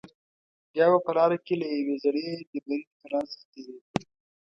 بیا به په لاره کې له یوې زړې ډبرینې کلا څخه تېرېدو.